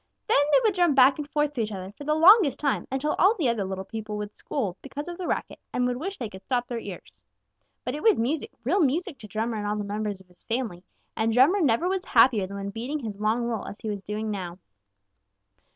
Then they would drum back and forth to each other for the longest time, until all the other little people would scold because of the racket and would wish they could stop their ears. But it was music, real music to Drummer and all the members of his family, and Drummer never was happier than when beating his long roll as he was doing now.